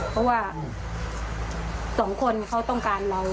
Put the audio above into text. เพราะว่าสองคนเขาต้องการเรา